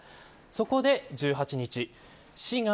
そこで１８日、市が